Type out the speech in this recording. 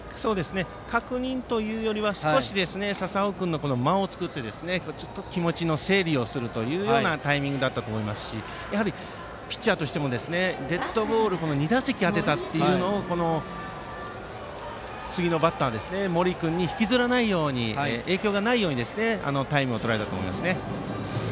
確認というより少し笹尾君の間を作って気持ちの整理をするようなタイミングだったと思いますしデッドボール２打席当てたというのを次のバッターの森君に引きずらないように影響がないようにタイムをとられたと思います。